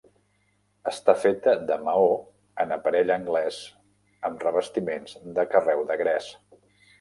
Està feta de maó en aparell anglès amb revestiments de carreu de gres.